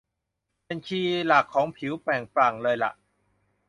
เป็นคีย์หลักของผิวเปล่งปลั่งเลยล่ะ